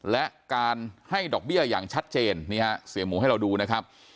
และการให้ดอกเบี้ยอย่างชัดเจนนี่ฮะเสียหมูให้เราดูนะครับ